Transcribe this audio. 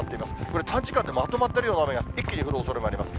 これ、短時間でまとまった量の雨が一気に降るおそれもあります。